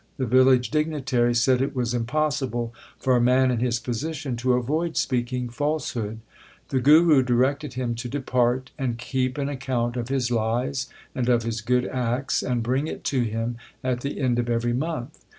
The village dignitary said it was impossible for a man in his position to avoid speaking falsehood. The Guru directed him to depart, and keep an account of his lies and of his good acts, and bring it to him at the end of every month.